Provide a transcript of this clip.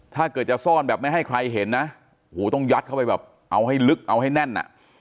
ถ้าเกิดจะซ่อนแบบไม่ให้ใครเห็นนะโอ้โหต้องยัดเข้าไปแบบเอาให้ลึกเอาให้แน่นอ่ะ